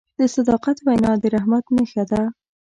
د صداقت وینا د رحمت نښه ده.